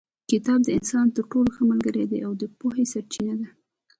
کتاب د انسان تر ټولو ښه ملګری او د پوهې سرچینه ده.